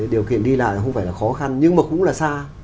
điều kiện đi lại thì không phải là khó khăn nhưng mà cũng là xa